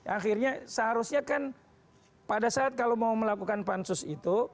akhirnya seharusnya kan pada saat kalau mau melakukan pansus itu